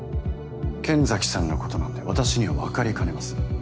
剣崎さんのことなので私にはわかりかねます。